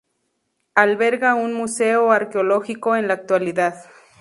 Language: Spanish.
Alberga un Museo Arqueológico en la actualidad.